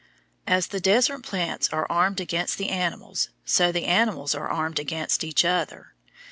As the desert plants are armed against the animals, so the animals are armed against each other.